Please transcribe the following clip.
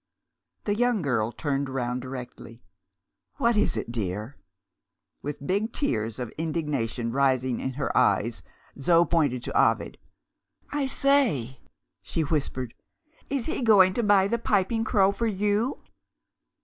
The young girl turned round directly. "What is it, dear?" With big tears of indignation rising in her eyes, Zo pointed to Ovid. "I say!" she whispered, "is he going to buy the Piping Crow for you?"